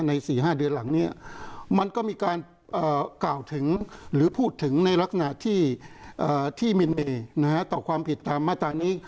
๔๕เดือนหลังนี้มันก็มีการกล่าวถึงหรือพูดถึงในลักษณะที่มินเมย์ต่อความผิดตามมาตรานี้